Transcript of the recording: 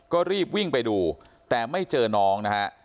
ก็รีบวิ่งไปดูแต่ไม่เจอน้องนะฮะ